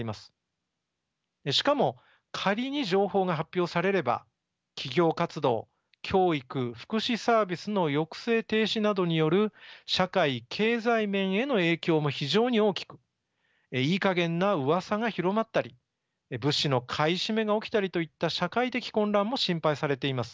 しかも仮に情報が発表されれば企業活動教育福祉サービスの抑制停止などによる社会経済面への影響も非常に大きくいいかげんなうわさが広まったり物資の買い占めが起きたりといった社会的混乱も心配されています。